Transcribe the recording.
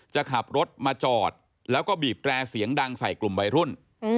จะขับรถมาจอดแล้วก็บีบแร่เสียงดังใส่กลุ่มวัยรุ่น